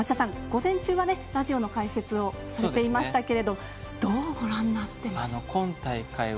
午前中はラジオの解説をされていましたけどもどうご覧になっていましたか？